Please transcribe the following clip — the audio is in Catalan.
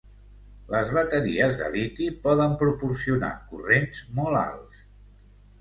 Les bateries de liti poden proporcionar corrents molt alts.